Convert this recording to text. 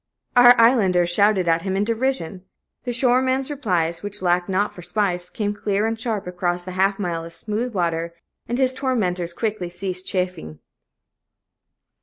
Our islanders shouted at him in derision. The shoreman's replies, which lacked not for spice, came clear and sharp across the half mile of smooth water, and his tormentors quickly ceased chaffing.